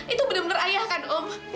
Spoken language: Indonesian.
itu bener bener ayah kan om